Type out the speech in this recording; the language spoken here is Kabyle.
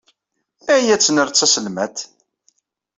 Iyya ad netter taselmadt.